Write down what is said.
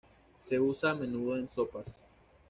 Se usa a menudo en sopas.